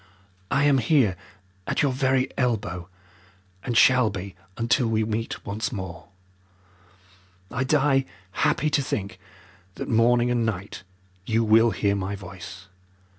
"I am here at your very elbow, and shall be until we meet once more. I die happy to think that morning and night you will hear my voice.